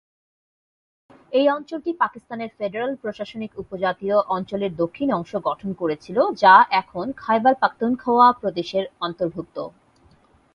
এই অঞ্চলটি পাকিস্তানের ফেডারেল প্রশাসনিক উপজাতীয় অঞ্চলের দক্ষিণ অংশ গঠন করেছিল, যা এখন খাইবার পাখতুনখোয়া প্রদেশের অন্তর্ভুক্ত।